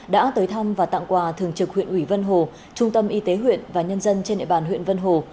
đã tới thăm và tặng quà thường trực huyện ủy vân hồ trung tâm y tế huyện và nhân dân trên địa bàn huyện vân hồ